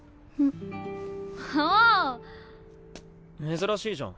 珍しいじゃん。